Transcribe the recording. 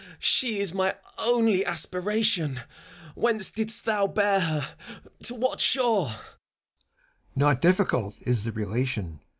She is my only aspiration ! Whence didst thou bear her — ^to what shore? CHIRON. Not difficult is the relation.